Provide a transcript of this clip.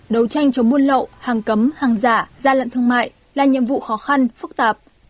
đấu tranh chống buôn lậu hàng cấm hàng giả gian lận thương mại là nhiệm vụ khó khăn phức tạp